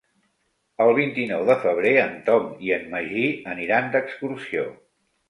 El vint-i-nou de febrer en Tom i en Magí aniran d'excursió.